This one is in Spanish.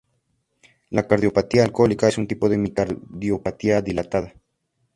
La cardiopatía alcohólica es un tipo de miocardiopatía dilatada.